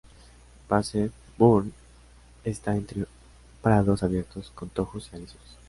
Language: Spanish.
Pease Burn está entre prados abiertos, con tojos y alisos.